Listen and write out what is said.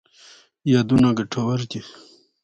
یادونه ګټور دي.